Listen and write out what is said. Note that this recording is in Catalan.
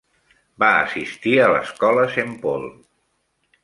Va assistir a l'Escola Saint Paul.